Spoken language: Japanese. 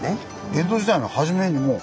江戸時代の初めにもう？